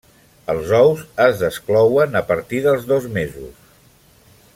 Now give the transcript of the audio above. Els ous es desclouen a partir dels dos mesos.